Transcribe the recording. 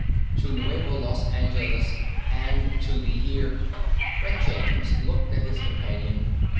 "To Nuevo Los Angeles and to the year " Brett James looked at his companion.